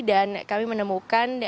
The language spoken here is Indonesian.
dan kami menemukan